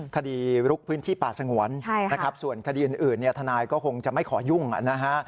คดีลุกพื้นที่ป่าสงวนส่วนคดีอื่นทนายก็คงจะไม่ขอยุ่งนะฮะ